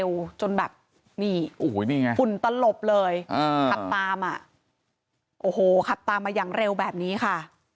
โอ้โหขับตามมาอย่างเร็วแบบนี้ค่ะ